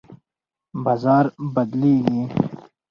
بازار بدلیږي.